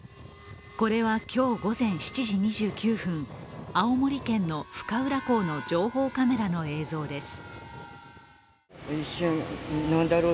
これは今日午前７時２９分青森県の深浦港の情報カメラの映像です。